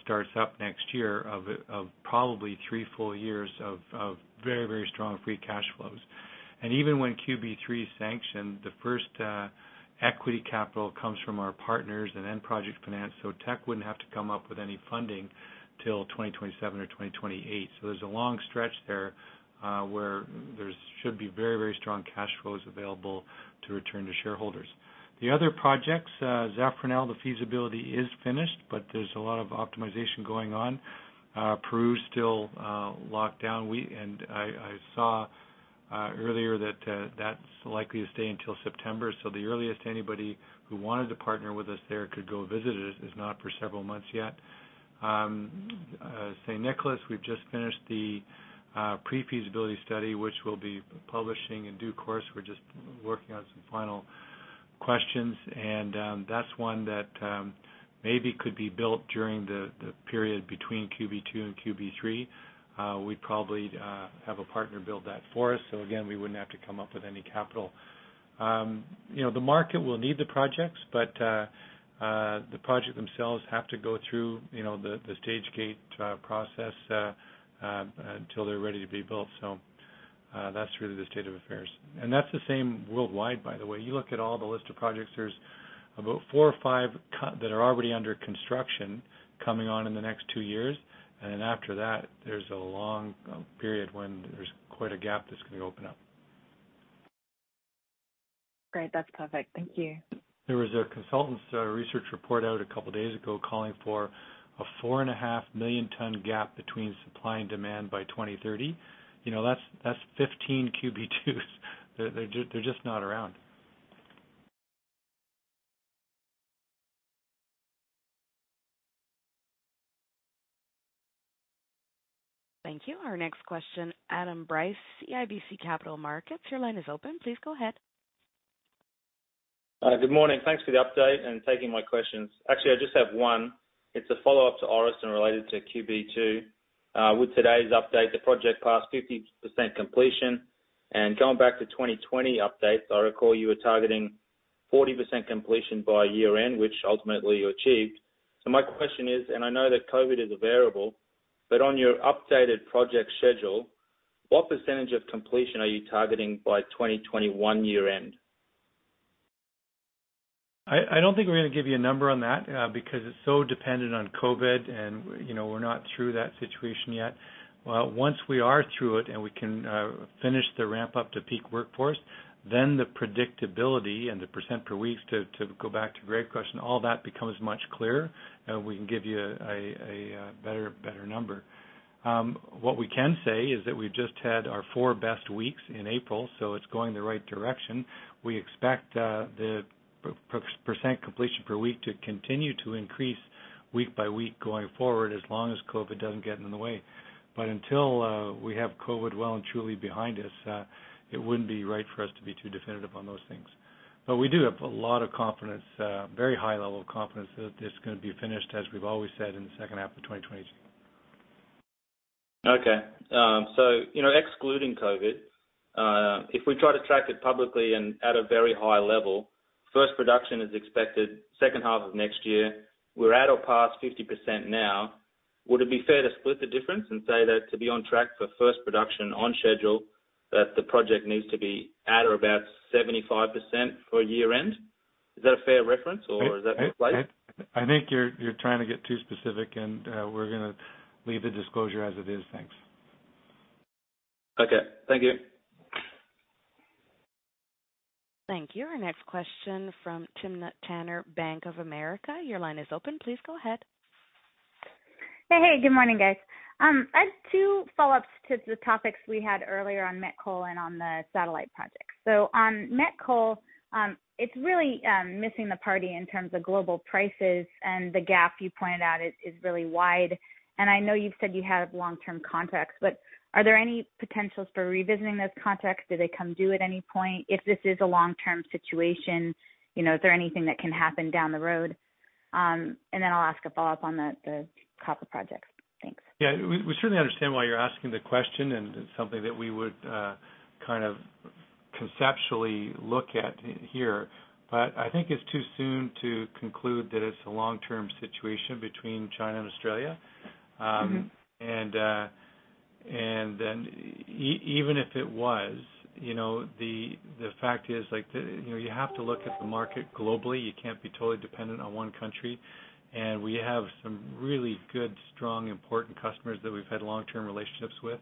starts up next year of probably three full years of very strong free cash flows. Even when QB3 is sanctioned, the first equity capital comes from our partners and end project finance, so Teck wouldn't have to come up with any funding till 2027 or 2028. There's a long stretch there, where there should be very strong cash flows available to return to shareholders. The other projects, Zafranal, the feasibility is finished, but there's a lot of optimization going on. Peru is still locked down. I saw earlier that's likely to stay until September. The earliest anybody who wanted to partner with us there could go visit it is not for several months yet. San Nicolás, we've just finished the pre-feasibility study, which we'll be publishing in due course. We're just working on some final questions. That's one that maybe could be built during the period between QB2 and QB3. We'd probably have a partner build that for us. Again, we wouldn't have to come up with any capital. The market will need the projects, the project themselves have to go through the stage gate process until they're ready to be built. That's really the state of affairs. That's the same worldwide, by the way. You look at all the list of projects, there's about four or five that are already under construction coming on in the next two years. After that, there's a long period when there's quite a gap that's going to open up. Great. That's perfect. Thank you. There was a consultants research report out a couple of days ago calling for a 4.5 million ton gap between supply and demand by 2030. That's 15 QB2s. They're just not around. Thank you. Our next question, Adams Bryce, CIBC Capital Markets. Your line is open. Please go ahead. Good morning. Thanks for the update and taking my questions. Actually, I just have one. It's a follow-up to Orest and related to QB2. With today's update, the project passed 50% completion. Going back to 2020 updates, I recall you were targeting 40% completion by year-end, which ultimately you achieved. My question is, and I know that COVID is a variable, but on your updated project schedule, what percentage of completion are you targeting by 2021 year-end? I don't think we're going to give you a number on that, because it's so dependent on COVID, and we're not through that situation yet. Once we are through it and we can finish the ramp up to peak workforce, then the predictability and the percent per weeks to go back to Greg's question, all that becomes much clearer, and we can give you a better number. What we can say is that we've just had our four best weeks in April. It's going the right direction. We expect the percent completion per week to continue to increase week by week going forward as long as COVID doesn't get in the way. Until we have COVID well and truly behind us, it wouldn't be right for us to be too definitive on those things. We do have a lot of confidence, very high level of confidence that it's going to be finished, as we've always said, in the second half of 2022. Okay. Excluding COVID, if we try to track it publicly and at a very high level, first production is expected second half of next year. We're at or past 50% now. Would it be fair to split the difference and say that to be on track for first production on schedule, that the project needs to be at or about 75% for year-end? Is that a fair reference, or is that misplaced? I think you're trying to get too specific, and we're going to leave the disclosure as it is. Thanks. Okay. Thank you. Thank you. Our next question from Timna Tanners, Bank of America. Your line is open. Please go ahead. Hey. Good morning, guys. I have two follow-ups to the topics we had earlier on met coal and on the satellite projects. On met coal, it's really missing the party in terms of global prices, and the gap you pointed out is really wide. I know you've said you have long-term contracts, but are there any potentials for revisiting those contracts? Do they come due at any point? If this is a long-term situation, is there anything that can happen down the road? I'll ask a follow-up on the copper projects. Thanks. Yeah. We certainly understand why you're asking the question, and it's something that we would conceptually look at here. I think it's too soon to conclude that it's a long-term situation between China and Australia. Even if it was, the fact is, you have to look at the market globally. You can't be totally dependent on one country. We have some really good, strong, important customers that we've had long-term relationships with.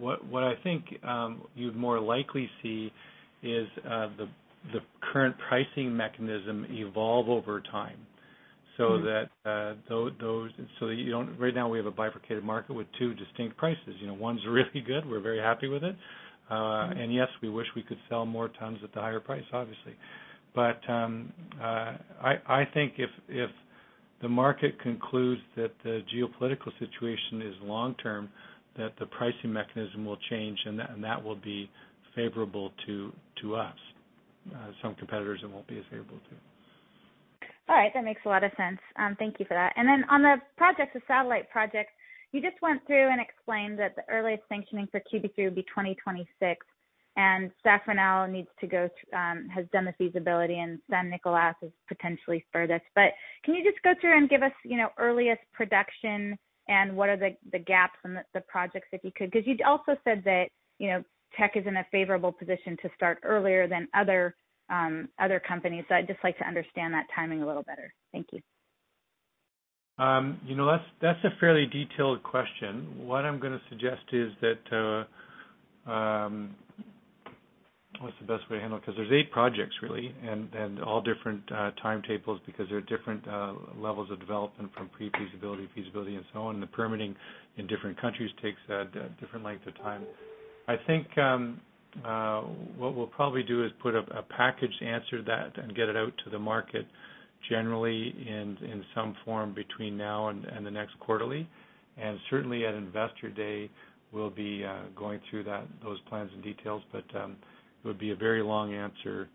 What I think you'd more likely see is the current pricing mechanism evolve over time. Right now, we have a bifurcated market with two distinct prices. One's really good. We're very happy with it. Yes, we wish we could sell more tons at the higher price, obviously. I think if the market concludes that the geopolitical situation is long-term, that the pricing mechanism will change, and that will be favorable to us. Some competitors, it won't be as favorable to. All right. That makes a lot of sense. Thank you for that. Then on the projects, the Satellite Project, you just went through and explained that the earliest sanctioning for QB3 would be 2026. Zafranal has done the feasibility and San Nicolás is potentially furthest. Can you just go through and give us earliest production and what are the gaps in the projects, if you could? Because you'd also said that Teck is in a favorable position to start earlier than other companies. I'd just like to understand that timing a little better. Thank you. That's a fairly detailed question. What I'm going to suggest is that What's the best way to handle it? Because there's eight projects, really, and all different timetables because there are different levels of development from pre-feasibility, feasibility, and so on. The permitting in different countries takes a different length of time. I think what we'll probably do is put a package to answer that and get it out to the market generally in some form between now and the next quarterly. Certainly at Investor Day, we'll be going through those plans and details. It would be a very long answer,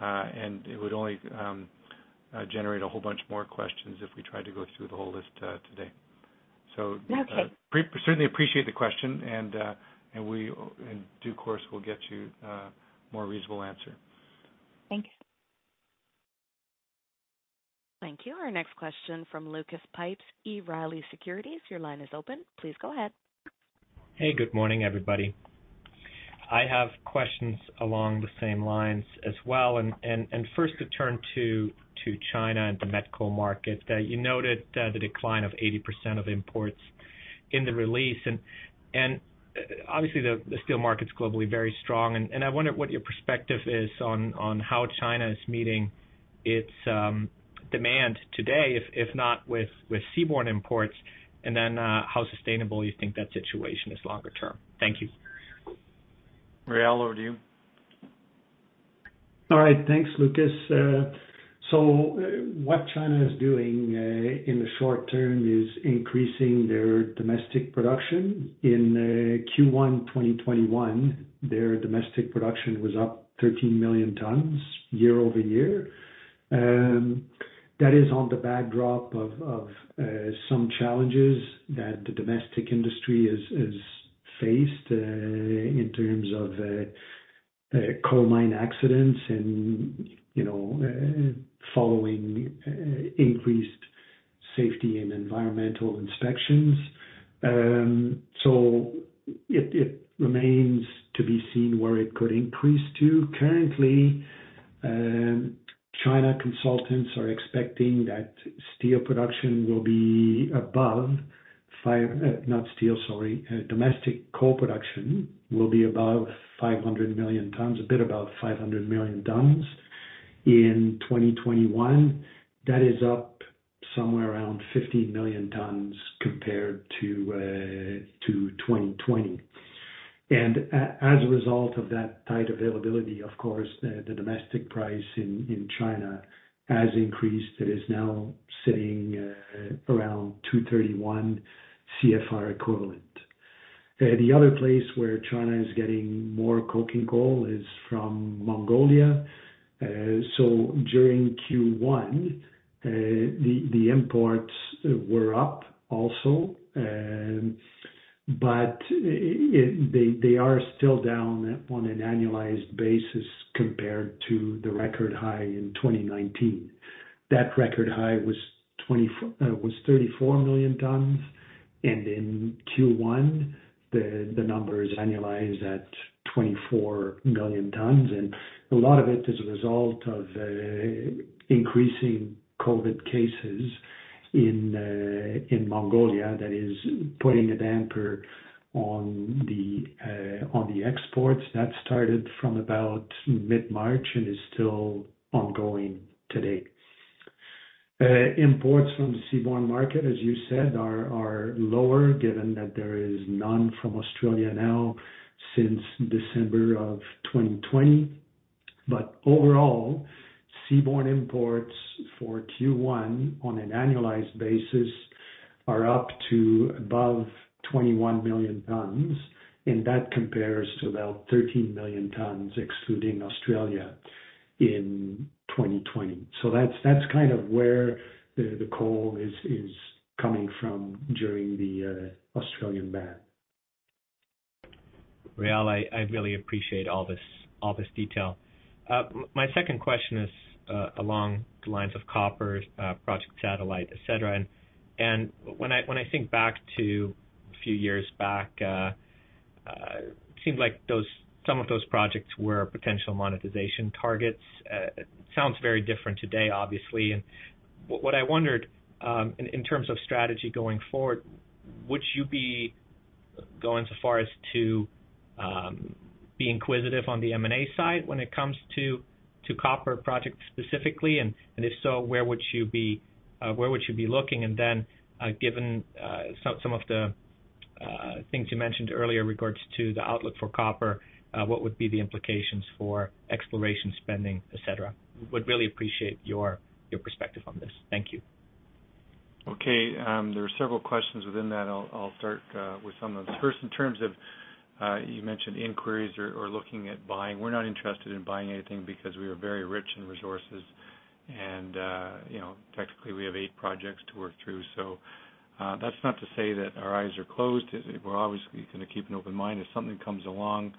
and it would only generate a whole bunch more questions if we tried to go through the whole list today. No, that's okay. Certainly appreciate the question and in due course, we'll get you a more reasonable answer. Thank you. Thank you. Our next question from Lucas Pipes, B. Riley Securities. Your line is open. Please go ahead. Hey, good morning, everybody. I have questions along the same lines as well. First to turn to China and the met coal market. You noted the decline of 80% of imports in the release. Obviously, the steel market's globally very strong, and I wonder what your perspective is on how China is meeting its demand today, if not with seaborne imports, and then how sustainable you think that situation is longer term. Thank you. Réal, over to you. All right. Thanks, Lucas. What China is doing in the short term is increasing their domestic production. In Q1 2021, their domestic production was up 13 million tons year-over-year. That is on the backdrop of some challenges that the domestic industry has faced in terms of coal mine accidents and following increased safety and environmental inspections. It remains to be seen where it could increase to. Currently, China consultants are expecting that Not steel, sorry. Domestic coal production will be above 500 million tons, a bit above 500 million tons in 2021. That is up somewhere around 15 million tons compared to 2020. As a result of that tight availability, of course, the domestic price in China has increased. It is now sitting around $231 CFR equivalent. The other place where China is getting more coking coal is from Mongolia. During Q1, the imports were up also. They are still down on an annualized basis compared to the record high in 2019. That record high was 34 million tons, and in Q1, the number is annualized at 24 million tons. A lot of it is a result of increasing COVID cases in Mongolia that is putting a damper on the exports. That started from about mid-March and is still ongoing today. Imports from the seaborne market, as you said, are lower given that there is none from Australia now since December of 2020. Overall, seaborne imports for Q1 on an annualized basis are up to above 21 million tons, and that compares to about 13 million tons excluding Australia in 2020. That's kind of where the coal is coming from during the Australian ban. Réal, I really appreciate all this detail. My second question is along the lines of copper, Project Satellite, et cetera. When I think back to a few years back, it seems like some of those projects were potential monetization targets. It sounds very different today, obviously. What I wondered, in terms of strategy going forward, would you be going so far as to be inquisitive on the M&A side when it comes to copper projects specifically, and if so, where would you be looking, and then, given some of the things you mentioned earlier in regards to the outlook for copper, what would be the implications for exploration spending, et cetera? Would really appreciate your perspective on this. Thank you. Okay. There were several questions within that. I'll start with some of them. First, in terms of, you mentioned inquiries or looking at buying. We're not interested in buying anything because we are very rich in resources and technically we have eight projects to work through. That's not to say that our eyes are closed. We're obviously going to keep an open mind. If something comes along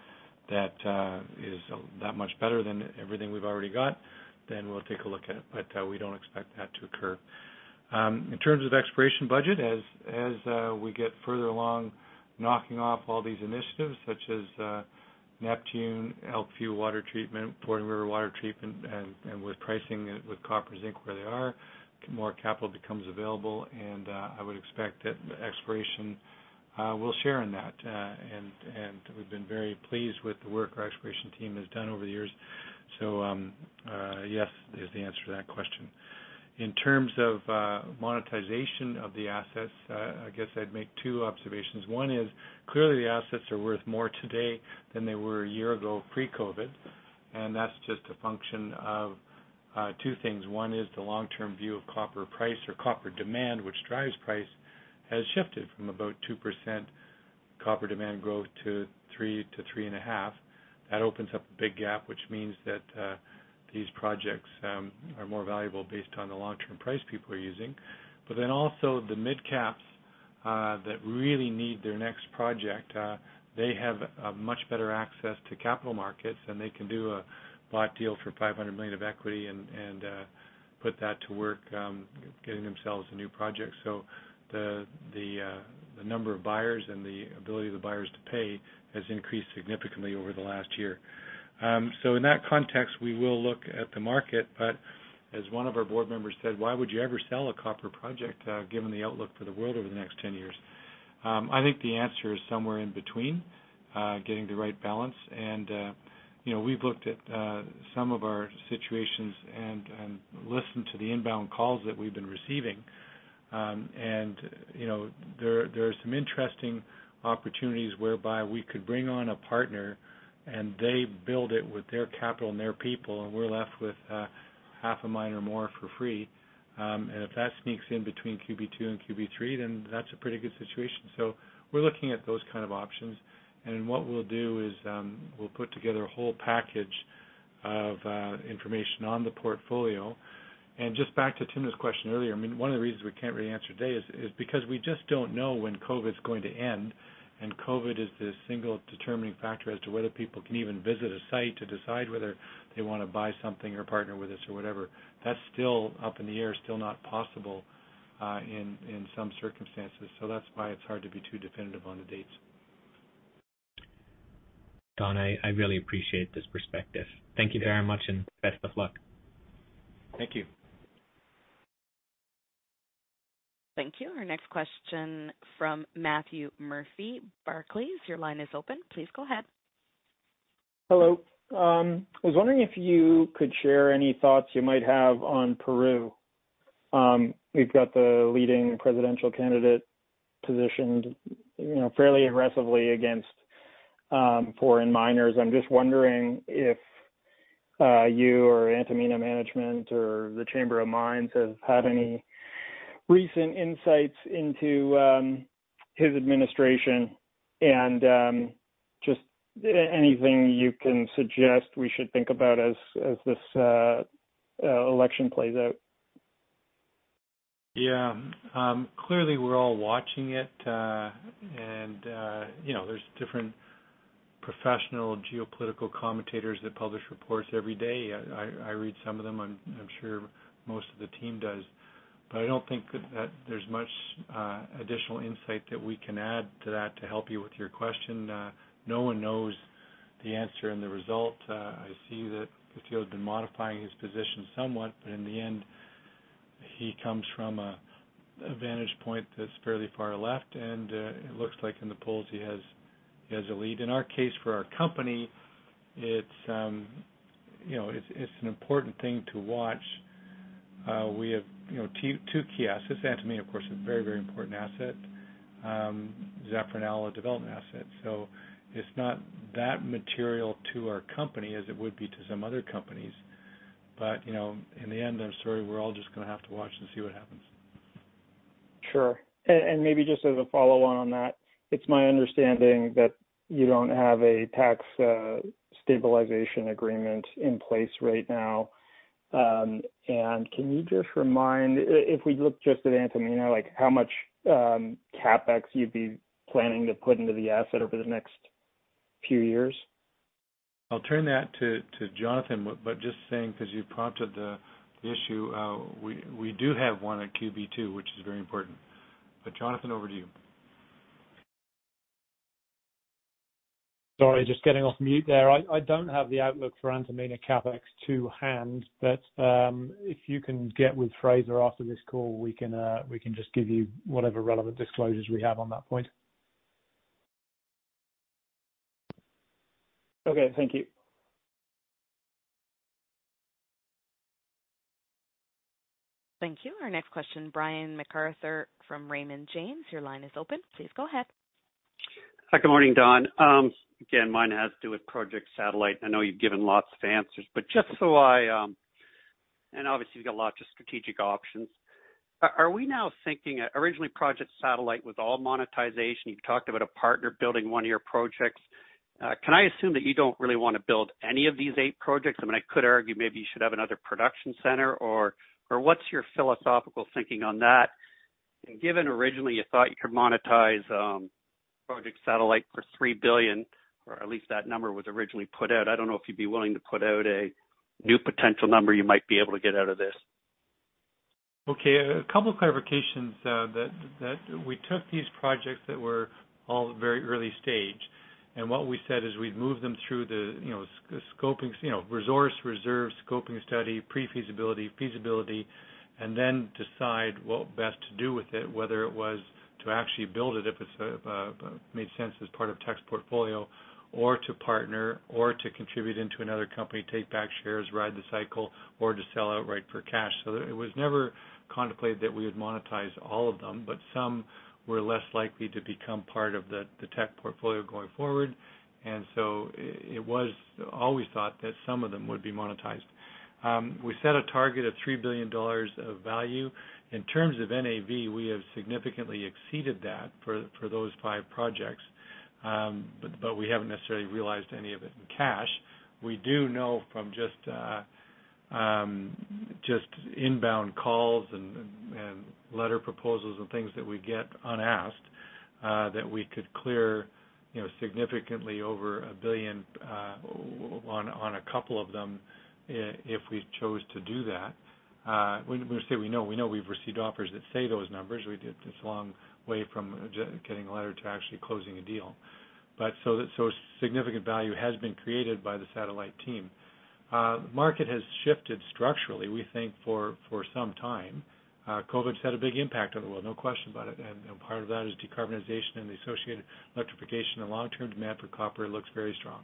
that is that much better than everything we've already got, then we'll take a look at it, but we don't expect that to occur. In terms of exploration budget, as we get further along knocking off all these initiatives such as Neptune, Elkview water treatment, Fording River water treatment, and with pricing with copper, zinc where they are, more capital becomes available and I would expect that exploration will share in that. We've been very pleased with the work our exploration team has done over the years. Yes is the answer to that question. In terms of monetization of the assets, I guess I'd make two observations. One is, clearly the assets are worth more today than they were a year ago pre-COVID, and that's just a function of two things. One is the long-term view of copper price or copper demand, which drives price, has shifted from about 2% copper demand growth to three to three and a half. That opens up a big gap, which means that these projects are more valuable based on the long-term price people are using. The mid-caps, that really need their next project, they have a much better access to capital markets, and they can do a bought deal for 500 million of equity and put that to work getting themselves a new project. The number of buyers and the ability of the buyers to pay has increased significantly over the last year. In that context, we will look at the market, but as one of our board members said, "Why would you ever sell a copper project, given the outlook for the world over the next 10 years?" I think the answer is somewhere in between, getting the right balance. We've looked at some of our situations and listened to the inbound calls that we've been receiving. There are some interesting opportunities whereby we could bring on a partner and they build it with their capital and their people, and we're left with half a mine or more for free. If that sneaks in between QB2 and QB3, then that's a pretty good situation. We're looking at those kind of options. What we'll do is, we'll put together a whole package of information on the portfolio. Just back to Timna's question earlier, one of the reasons we can't really answer today is because we just don't know when COVID's going to end, and COVID is the single determining factor as to whether people can even visit a site to decide whether they want to buy something or partner with us or whatever. That's still up in the air, still not possible in some circumstances. That's why it's hard to be too definitive on the dates. Don, I really appreciate this perspective. Thank you very much, and best of luck. Thank you. Thank you. Our next question from Matthew Murphy, Barclays. Your line is open. Please go ahead. Hello. I was wondering if you could share any thoughts you might have on Peru. We've got the leading presidential candidate positioned fairly aggressively against foreign miners. I'm just wondering if you or Antamina management or the Chamber of Mines have had any recent insights into his administration and just anything you can suggest we should think about as this election plays out? Yeah. Clearly, we're all watching it. There's different professional geopolitical commentators that publish reports every day. I read some of them, I'm sure most of the team does. I don't think that there's much additional insight that we can add to that to help you with your question. No one knows the answer and the result. I see that Castillo's been modifying his position somewhat, but in the end, he comes from a vantage point that's fairly far left, and it looks like in the polls, he has a lead. In our case, for our company, it's an important thing to watch. We have two key assets. Antamina, of course, a very important asset. Zafranal, a development asset. It's not that material to our company as it would be to some other companies. In the end, I'm sorry, we're all just going to have to watch and see what happens. Sure. Maybe just as a follow-on on that, it's my understanding that you don't have a tax stabilization agreement in place right now. Can you just remind, if we look just at Antamina, how much CapEx you'd be planning to put into the asset over the next few years? I'll turn that to Jonathan, just saying, because you prompted the issue, we do have one at QB2, which is very important. Jonathan, over to you. Sorry, just getting off mute there. I don't have the outlook for Antamina CapEx to hand, but, if you can get with Fraser after this call, we can just give you whatever relevant disclosures we have on that point. Okay. Thank you. Thank you. Our next question, Brian MacArthur from Raymond James. Your line is open. Please go ahead. Hi. Good morning, Don. Again, mine has to do with Project Satellite. I know you've given lots of answers, and obviously, you've got lots of strategic options. Are we now thinking? Originally, Project Satellite was all monetization. You've talked about a partner building one of your projects. Can I assume that you don't really want to build any of these eight projects? I could argue maybe you should have another production center, or what's your philosophical thinking on that? Given originally you thought you could monetize Project Satellite for 3 billion, or at least that number was originally put out, I don't know if you'd be willing to put out a new potential number you might be able to get out of this. A couple clarifications, that we took these projects that were all very early stage, and what we said is we'd move them through the resource reserve scoping study, pre-feasibility, feasibility, and then decide what best to do with it, whether it was to actually build it, if it made sense as part of Teck's portfolio, or to partner or to contribute into another company, take back shares, ride the cycle, or to sell outright for cash. It was never contemplated that we would monetize all of them, but some were less likely to become part of the Teck portfolio going forward. It was always thought that some of them would be monetized. We set a target of 3 billion dollars of value. In terms of NAV, we have significantly exceeded that for those five projects. We haven't necessarily realized any of it in cash. We do know from just inbound calls and letter proposals and things that we get unasked, that we could clear significantly over 1 billion on a couple of them if we chose to do that. When we say we know, we know we've received offers that say those numbers. It's a long way from getting a letter to actually closing a deal. Significant value has been created by the Project Satellite team. The market has shifted structurally, we think, for some time. COVID's had a big impact on the world, no question about it, and part of that is decarbonization and the associated electrification and long-term demand for copper looks very strong.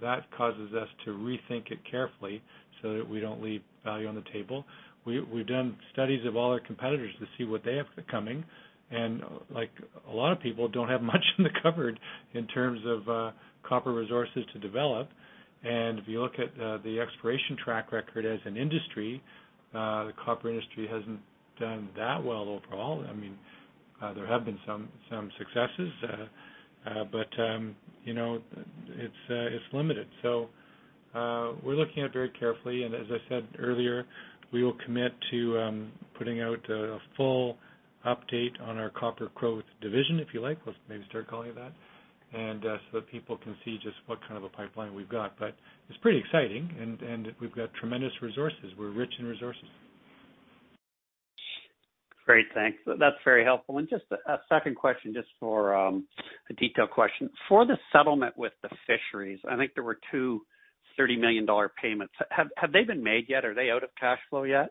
That causes us to rethink it carefully so that we don't leave value on the table. We've done studies of all our competitors to see what they have coming, a lot of people don't have much in the cupboard in terms of copper resources to develop. If you look at the exploration track record as an industry, the copper industry hasn't done that well overall. There have been some successes, but it's limited. We're looking at it very carefully, and as I said earlier, we will commit to putting out a full update on our copper growth division, if you like. We'll maybe start calling it that. That people can see just what kind of a pipeline we've got. It's pretty exciting, and we've got tremendous resources. We're rich in resources. Great. Thanks. That's very helpful. Just a second question, just for a detail question. For the settlement with the fisheries, I think there were two 30 million dollar payments. Have they been made yet? Are they out of cash flow yet?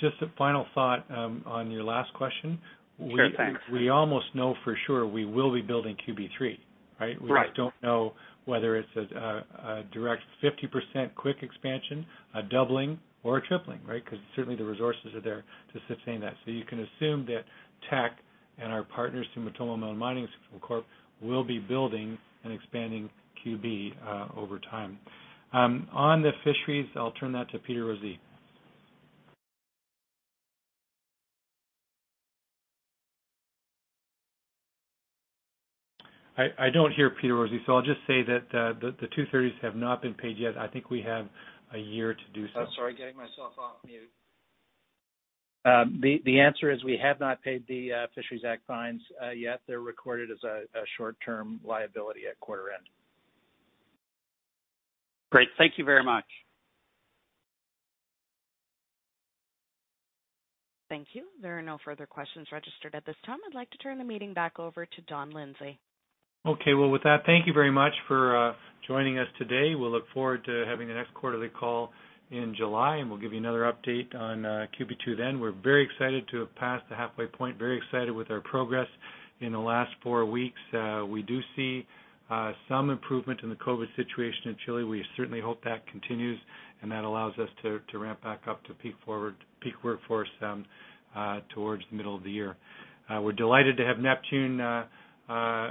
Just a final thought on your last question. Sure, thanks. We almost know for sure we will be building QB3, right? Right. We just don't know whether it's a direct 50% quick expansion, a doubling, or a tripling, right? Certainly the resources are there to sustain that. You can assume that Teck and our partners, Sumitomo Metal Mining Co will be building and expanding QB over time. On the fisheries, I'll turn that to Peter Rozee. I don't hear Peter Rozee, I'll just say that the two thirties have not been paid yet. I think we have a year to do so. Sorry, getting myself off mute. The answer is we have not paid the Fisheries Act fines yet. They're recorded as a short-term liability at quarter end. Great. Thank you very much. Thank you. There are no further questions registered at this time. I'd like to turn the meeting back over to Don Lindsay. Okay. Well, with that, thank you very much for joining us today. We'll look forward to having the next quarterly call in July, and we'll give you another update on QB2 then. We're very excited to have passed the halfway point, very excited with our progress in the last four weeks. We do see some improvement in the COVID situation in Chile. We certainly hope that continues, and that allows us to ramp back up to peak workforce towards the middle of the year. We're delighted to have Neptune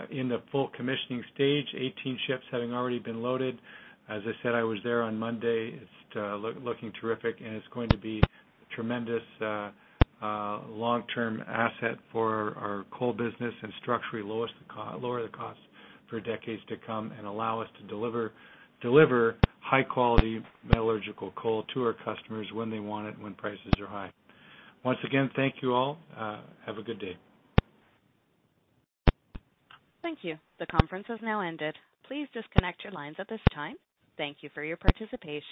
in the full commissioning stage, 18 ships having already been loaded. As I said, I was there on Monday. It's looking terrific, and it's going to be a tremendous long-term asset for our coal business and structurally lower the cost for decades to come and allow us to deliver high-quality metallurgical coal to our customers when they want it, when prices are high. Once again, thank you all. Have a good day. Thank you. The conference has now ended. Please disconnect your lines at this time. Thank you for your participation.